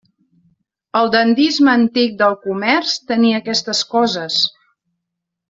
El dandisme antic del comerç tenia aquestes coses.